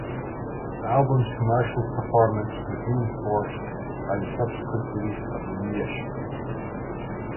The album's commercial performance was reinforced by the subsequent release of a reissue.